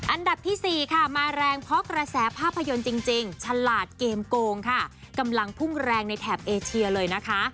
อันดับที่๔ค่ะมาแรงเพราะกระแสภาพยนตร์จริงฉลาดเกมโกงค่ะกำลังพุ่งแรงในแถบเอเชียเลยนะคะ